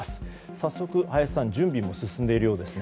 早速、林さん準備も進んでいるようですね。